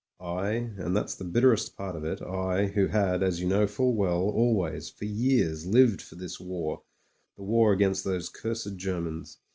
I, and that's the bitterest part of it, I, who had, as you know full well, always, for years, lived for this war, the war against those cursed Germans.